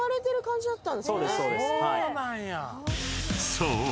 ［そう。